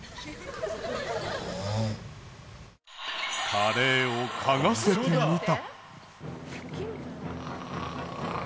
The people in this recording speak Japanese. カレーを嗅がせてみた。